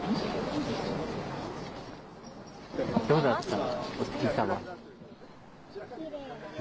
どうだった？